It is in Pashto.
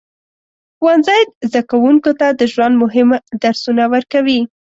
ښوونځی زده کوونکو ته د ژوند مهم درسونه ورکوي.